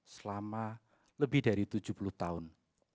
selama lebih dari tujuh puluh tahun